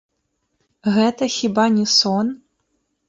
Гэта хіба не сон?